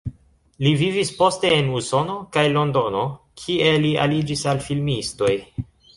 Li vivis poste en Usono kaj Londono, kie li aliĝis al filmistoj.